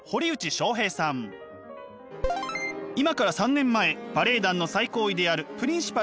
今から３年前バレエ団の最高位であるプリンシパルに昇格しました。